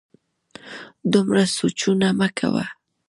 دومره سوچونه مه کوه